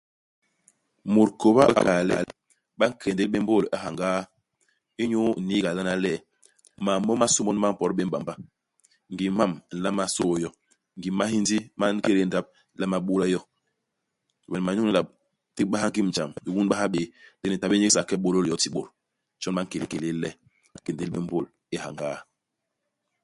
Mut kôba a nkal le ba nkéndél bé mbôl i hyangaa inyu iniiga lana le, mam momasô mon ba mpot bé i bamba. Ngim i mam u nlama sôô yo. Ngim i mahindi ma kédé ndap, u nlama buuda yo. We ni manyuñ ni nla tégbaha ngim jam i unbaha bé. Ndi ni ta bé nyégasaga i ke ipôdôl yo i ti i bôt. Jon ba nkélél le ba nkéndél bé mbôl i hiangaa.